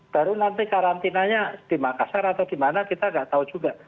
baru nanti karantinanya di makassar atau di mana kita nggak tahu juga